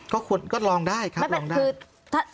ก็ลองได้ครับลองได้